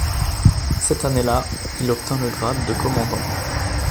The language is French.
Cette année-là, il obtint le grade de commandant.